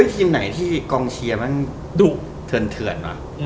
ทีมไหนที่กองเชียร์มันดุเถื่อนว่ะ